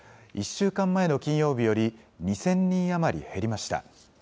１週間前の金曜日より、２０００人余り減りました。